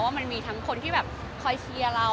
มันมีทั้งคนที่แบบคอยเชียร์เรา